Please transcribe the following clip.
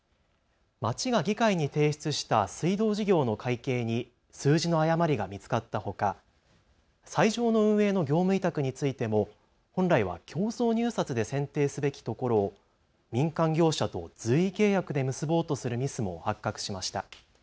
町が議会に提出した水道事業の会計に数字の誤りが見つかったほか、斎場の運営の業務委託についても本来は競争入札で選定すべきところを民間業者と随意契約で結ぼうとするミスも発覚しました。